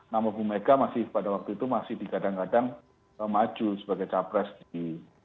nama bu mega pada waktu itu masih dikadang kadang maju sebagai capres di